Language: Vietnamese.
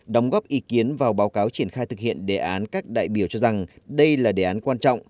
đóng góp ý kiến vào báo cáo triển khai thực hiện đề án các đại biểu cho rằng đây là đề án quan trọng